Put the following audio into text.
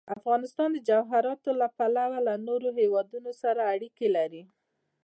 افغانستان د جواهرات له پلوه له نورو هېوادونو سره اړیکې لري.